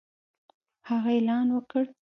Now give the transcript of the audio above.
هغه اعلان وکړ